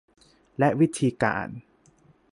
และวิธีการ